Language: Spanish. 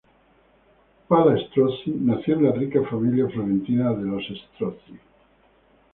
Palla Strozzi nació en la rica familia florentina de los Strozzi.